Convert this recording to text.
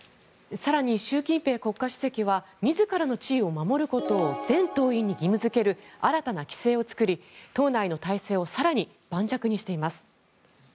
更に習近平国家主席は自らの地位を守ることを全党員に義務付ける新たな規制を作り党内の体制を更に盤石にしています。